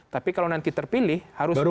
tapi kalau nanti terpilih harus